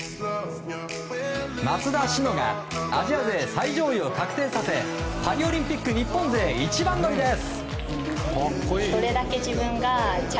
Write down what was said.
松田詩野がアジア勢最上位を確定させパリオリンピック日本勢一番乗りです。